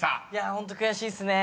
ホント悔しいっすね。